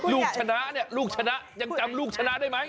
ลูกชนะเนี่ยลูกชนะยังจำลูกชนะได้ไหม